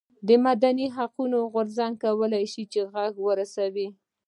د مدني حقونو غورځنګ وکولای شول چې غږ ورسوي.